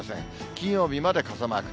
金曜日まで傘マーク。